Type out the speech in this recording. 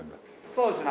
そうですね